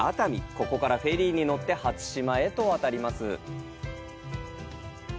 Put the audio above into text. ここからフェリーに乗って初島へと渡ります。